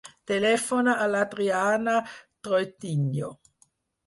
Telefona a l'Adriana Troitiño.